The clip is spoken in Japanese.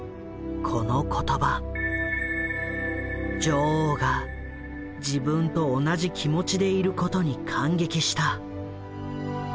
女王が自分と同じ気持ちでいることに感激した。